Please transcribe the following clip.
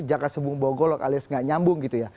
jaka sebung bawa golok alias nggak nyambung gitu ya